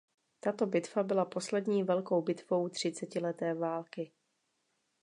Tato bitva byla poslední velkou bitvou třicetileté války.